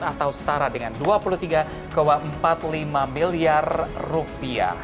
atau setara dengan dua puluh tiga empat puluh lima miliar rupiah